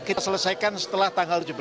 kita selesaikan setelah tanggal tujuh belas